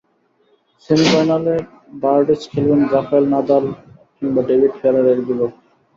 সেমিফাইনালে বার্ডিচ খেলবেন Rafael Nadal কিংবা ডেভিড ফেরারের বিপক্ষে।